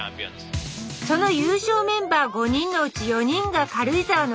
その優勝メンバー５人のうち４人が軽井沢のクラブに所属。